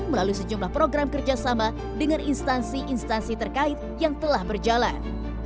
melalui sejumlah program kerjasama dengan instansi instansi terkait yang telah berjalan